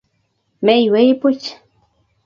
Meiywei puch.